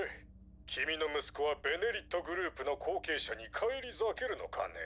君の息子は「ベネリット」グループの後継者に返り咲けるのかね？